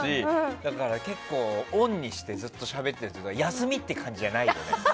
だから結構オンにしてずっとしゃべって休みって感じじゃない。